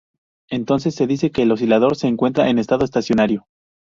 Entonces se dice que el oscilador se encuentra en estado estacionario.